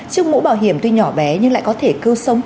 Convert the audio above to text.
chiếc mũ bảo hiểm tuy nhỏ bé nhưng lại có thể cứu sống